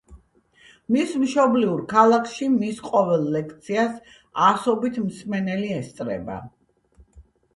მის მშობლიურ ქალაქში მის ყოველ ლექციას ასობით მსმენელი ესწრება.